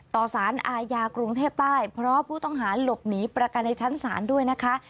สารอาญากรุงเทพใต้เพราะผู้ต้องหาหลบหนีประกันในชั้นศาลด้วยนะคะ